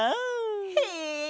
へえ！